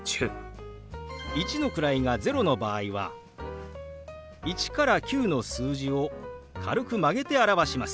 １の位が０の場合は１から９の数字を軽く曲げて表します。